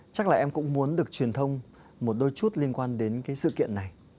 chắc là em cũng muốn được truyền thông một đôi chút liên quan đến cái sự kiện này